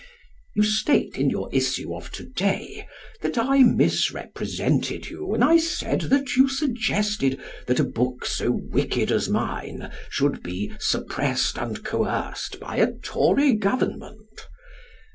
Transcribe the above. You state, in your issue of to day, that I misrepresented you when I said that you suggested that a book so wicked as mine should be "suppressed and coerced by a Tory Government."